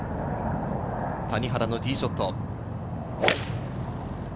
谷原のティーショット。